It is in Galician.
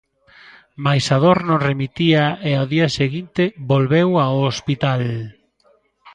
Mais a dor non remitía e ao día seguinte volveu ao hospital.